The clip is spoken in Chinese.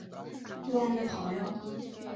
对岸的朋友